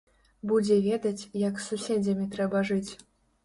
Будзе ведаць, як з суседзямі трэба жыць.